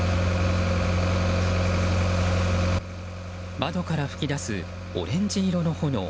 窓から噴き出すオレンジ色の炎。